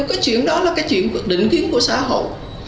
cái chuyện đó là cái chuyện định kiến của xã hội